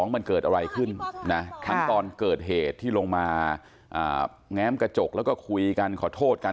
มันเกิดอะไรขึ้นนะทั้งตอนเกิดเหตุที่ลงมาแง้มกระจกแล้วก็คุยกันขอโทษกัน